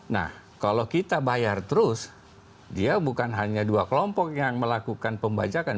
nah kalau kita bayar terus dia bukan hanya dua kelompok yang melakukan pembajakan